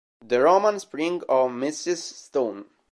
The Roman Spring of Mrs. Stone